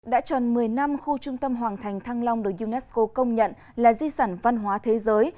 đã tròn một mươi năm khu trung tâm hoàng thành thăng long được unesco công nhận là di sản văn hóa thế giới